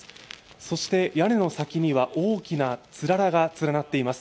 そして屋根の先には大きなつららが連なっています。